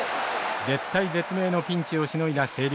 絶体絶命のピンチをしのいだ星稜。